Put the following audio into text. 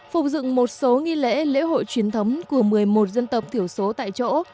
phục dựng một số nghi lễ lễ hội truyền thống của một mươi một dân tộc thiểu số tại chỗ